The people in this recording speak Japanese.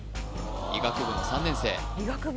医学部の３年生・医学部？